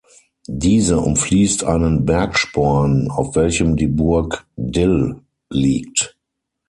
Diese umfließt einen Bergsporn, auf welchem die Burg Dill liegt.